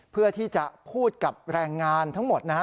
เพื่อที่จะพูดกับแรงงานทั้งหมดนะฮะ